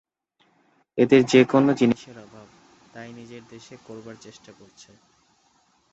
এদের যে-কোন জিনিষের অভাব, তাই নিজের দেশে করবার চেষ্টা করছে।